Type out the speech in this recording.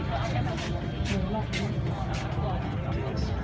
แม่กับผู้วิทยาลัย